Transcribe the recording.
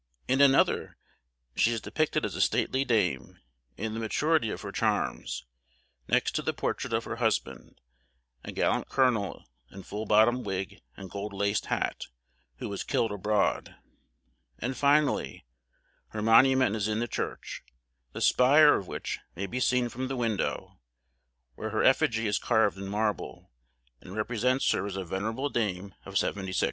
In another she is depicted as a stately dame, in the maturity of her charms; next to the portrait of her husband, a gallant colonel in full bottomed wig and gold laced hat, who was killed abroad; and, finally, her monument is in the church, the spire of which may be seen from the window, where her effigy is carved in marble, and represents her as a venerable dame of seventy six.